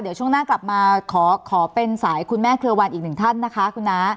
เดี๋ยวช่วงหน้ากลับมาขอเป็นสายคุณแม่เครือวันอีกหนึ่งท่านนะคะคุณน้า